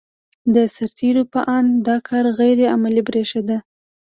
د سرتېرو په اند دا کار غیر عملي برېښېده.